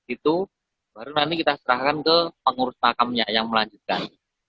itu baru nanti kita serahkan ke pengurus makamnya yang melanjutkan